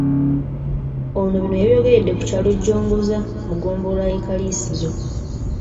Ono bino yabyogeredde ku kyalo Jongoza mu ggombolola y'e Kaliisizo.